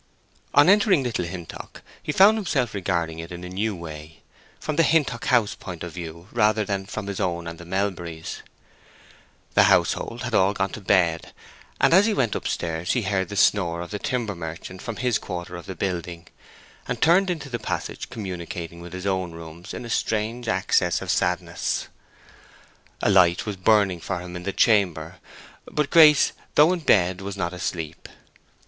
On entering Little Hintock he found himself regarding it in a new way—from the Hintock House point of view rather than from his own and the Melburys'. The household had all gone to bed, and as he went up stairs he heard the snore of the timber merchant from his quarter of the building, and turned into the passage communicating with his own rooms in a strange access of sadness. A light was burning for him in the chamber; but Grace, though in bed, was not asleep.